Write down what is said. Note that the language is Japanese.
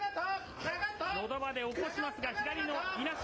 のど輪で起こしますが、左のいなし。